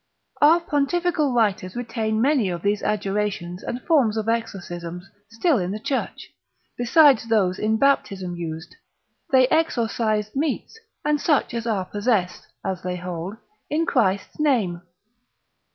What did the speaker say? Our pontifical writers retain many of these adjurations and forms of exorcisms still in the church; besides those in baptism used, they exorcise meats, and such as are possessed, as they hold, in Christ's name.